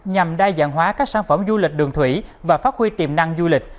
nhằm đa dạng hóa các sản phẩm du lịch đường thủy và phát huy tiềm năng du lịch